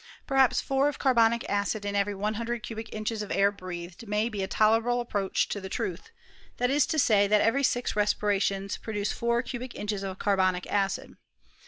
Perhaps four of carbonic acid, in every 100 cubic inches of air breathed, may be a tolerable approach to the truth ; that is to say, that every six respirations produce four cubic inches of carbonic acid.